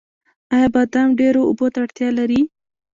آیا بادام ډیرو اوبو ته اړتیا لري؟